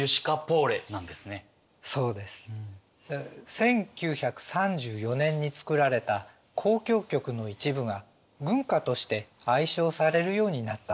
１９３４年に作られた交響曲の一部が軍歌として愛唱されるようになったわけです。